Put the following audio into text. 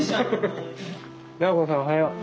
菜穂子さんおはよう。